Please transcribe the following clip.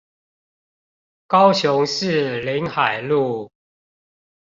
高雄市臨海路